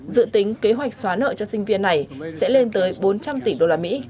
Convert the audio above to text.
dự tính kế hoạch xóa nợ cho sinh viên này sẽ lên tới bốn trăm linh tỷ đô la mỹ